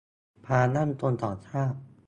ความมั่นคงของชาติ